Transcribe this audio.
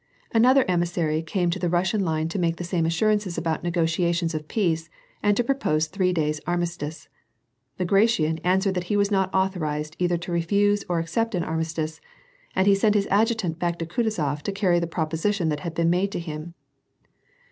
Another emissary came to the Russian line to make the same assurances about negotiations of peace, and to propose three days' armistice. Bagration answered that he was not authorized either to refuse or accept an armistice, and he sent his adjutant back to Kutuzof, to carry the proposition that had been made to him.